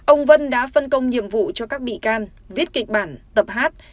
ông vân đã phân công nhiệm vụ cho các bị can viết kịch bản tập hát